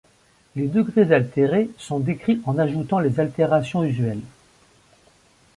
Les degrés altérés sont décrits en ajoutant les altérations usuelles.